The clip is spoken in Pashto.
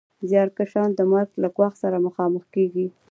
زیارکښان د مرګ له ګواښ سره مخامخ کېږي